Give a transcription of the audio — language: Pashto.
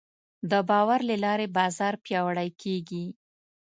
د باور له لارې بازار پیاوړی کېږي.